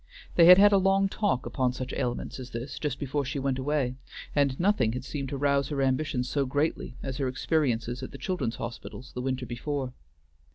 They had had a long talk upon such ailments as this just before she went away, and nothing had seemed to rouse her ambition so greatly as her experiences at the children's hospitals the winter before.